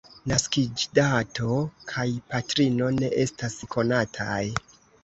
Naskiĝdato kaj patrino ne estas konataj.